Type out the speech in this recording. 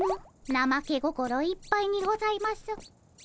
なまけ心いっぱいにございます。